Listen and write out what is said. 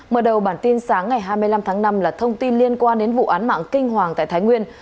mở đầu bản tin sáng ngày hai mươi năm tháng năm là thông tin liên quan đến vụ án mạng kinh hoàng tại thái nguyên